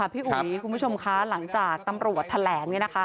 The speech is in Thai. พี่อุ๋ยคุณผู้ชมคะหลังจากตำรวจแถลง